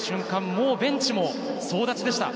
もうベンチも総立ちでした。